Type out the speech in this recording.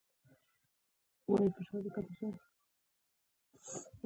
دا اړوندو ادارو ته د اجرا وړ وي.